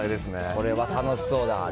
これは楽しそうだ。